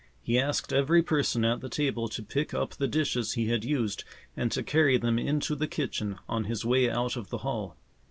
He asked every person at the table to pick up the dishes he had used and to carry them into the kitchen on his way out of the hall.